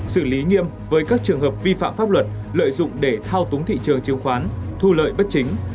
xử lý nghiêm với các trường hợp vi phạm pháp luật lợi dụng để thao túng thị trường chứng khoán thu lợi bất chính